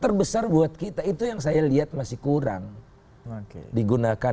nah itu besar buat kita itu yang saya lihat masih kurang digunakan